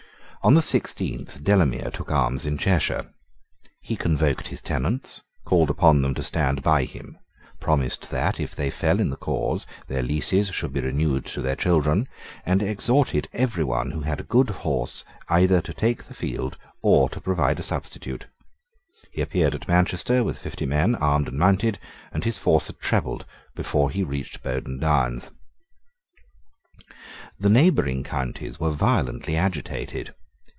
On the sixteenth Delamere took arms in Cheshire. He convoked his tenants, called upon them to stand by him, promised that, if they fell in the cause, their leases should be renewed to their children, and exhorted every one who had a good horse either to take the field or to provide a substitute. He appeared at Manchester with fifty men armed and mounted, and his force had trebled before he reached Boaden Downs. The neighbouring counties were violently agitated.